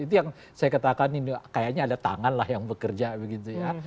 itu yang saya katakan ini kayaknya ada tangan lah yang bekerja begitu ya